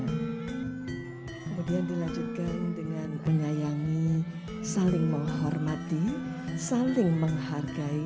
kemudian dilanjutkan dengan menyayangi saling menghormati saling menghargai